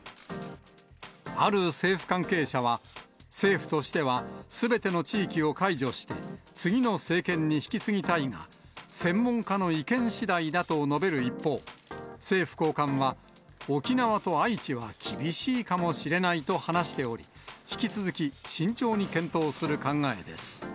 ある政府関係者は、政府としてはすべての地域を解除して、次の政権に引き継ぎたいが、専門家の意見しだいだと述べる一方、政府高官は、沖縄と愛知は厳しいかもしれないと話しており、引き続き慎重に検討する考えです。